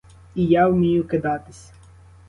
І я вмію кидатись.